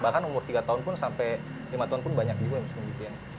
bahkan umur tiga tahun pun sampai lima tahun pun banyak juga yang bisa ngundukin